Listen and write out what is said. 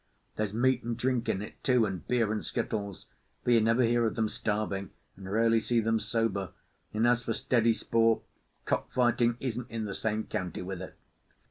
There's meat and drink in it too, and beer and skittles, for you never hear of them starving, and rarely see them sober; and as for steady sport, cock fighting isn't in the same county with it.